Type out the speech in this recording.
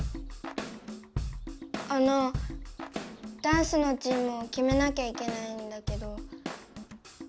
あのダンスのチームをきめなきゃいけないんだけど。